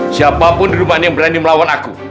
siapapun di rumah ini yang berani melawan aku